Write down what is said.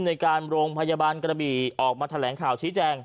ในการโรงพยาบาลกระบี่ออกมาแถลงข่าวชี้แจง